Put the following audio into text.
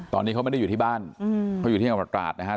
ตอนนี้เขาไม่ได้อยู่ที่บ้านเขาอยู่ที่อาวุธกราชนะฮะ